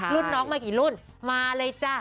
รุ่นน้องมากี่รุ่นมาเลยจ้ะ